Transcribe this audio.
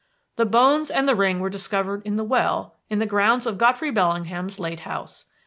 "The bones and the ring were discovered in the well in the grounds of Godfrey Bellingham's late house.